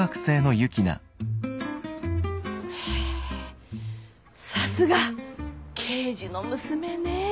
へぇさすが刑事の娘ね。